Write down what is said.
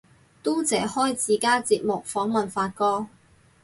嘟姐開自家節目訪問發哥